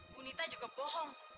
bunita juga bohong